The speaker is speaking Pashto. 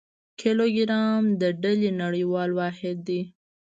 کیلوګرام د ډلي نړیوال واحد دی.